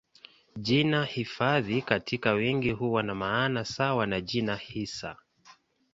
Jina hifadhi katika wingi huwa na maana sawa na jina hisa.